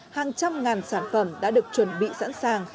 hàng trăm ngàn sản phẩm đã được chuẩn bị sẵn sàng